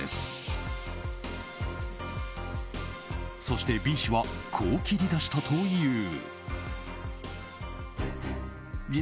そしてＢ氏はこう切り出したという。